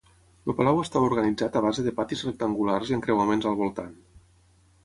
El palau estava organitzat a base de patis rectangulars i encreuaments al voltant.